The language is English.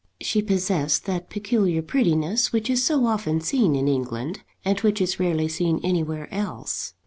She possessed that peculiar prettiness which is so often seen in England, and which is rarely seen anywhere else.